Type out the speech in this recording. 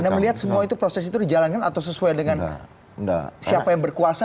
anda melihat semua itu proses itu dijalankan atau sesuai dengan siapa yang berkuasa